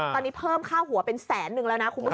ตอนนี้เพิ่มค่าหัวเป็นแสนนึงแล้วนะคุณผู้ชม